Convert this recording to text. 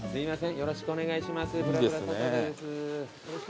よろしくお願いします。